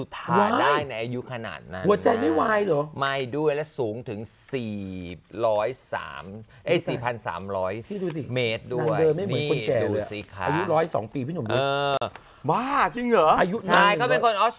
เต๋ยังไหนแล้ว